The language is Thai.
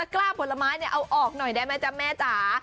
กล้าผลไม้เนี่ยเอาออกหน่อยได้ไหมจ๊ะแม่จ๋า